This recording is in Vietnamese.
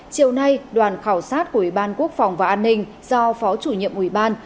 chiều nay đoàn khảo sát của ủy ban quốc phòng và an ninh do phó chủ nhiệm ủy ban